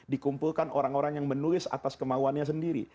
dikumpulkan orang orang yang menulis atas kemauannya sendiri